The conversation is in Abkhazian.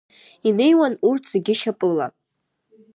Инеиуан урҭ зегьы шьапыла.